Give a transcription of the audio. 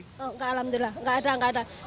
tidak alhamdulillah tidak ada tidak ada